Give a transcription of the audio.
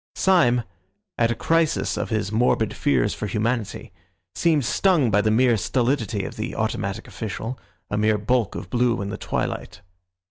Syme, at a crisis of his morbid fears for humanity, seemed stung by the mere stolidity of the automatic official, a mere bulk of blue in the twilight.